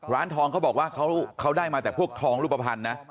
ร้านทองเขาบอกว่าเขาได้มาแต่พวกทองรูปภัณฑ์นะ